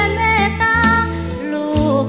หัวใจเหมือนไฟร้อน